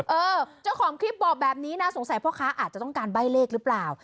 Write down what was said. เออเจ้าของคลิปบอกแบบนี้นะสงสัยพ่อค้าอาจจะต้องการใบ้เลขหรือเปล่า